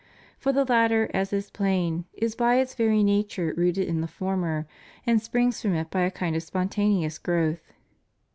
For the latter, as is plain, is by its very nature rooted in the former, and springs from it by a kind of spontaneous growth.